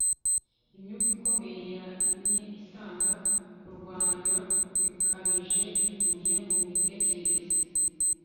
imyuka ikomeye yamye isanga kurwanywa bikabije bivuye mu mitekerereze